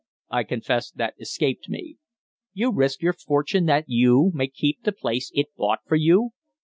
I confess that escaped me." "You risk your fortune that you, may keep the place it bought for you?"